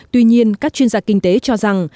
tuy nhiên các chuyên gia kinh tế cho rằng